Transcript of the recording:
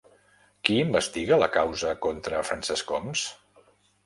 Qui investiga la causa contra Francesc Homs?